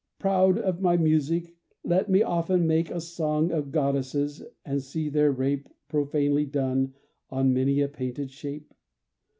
Proud of my music, let me often make A song of goddesses and see their rape Profanely done on many a painted shape.